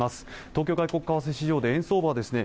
東京外国為替市場で円相場ですね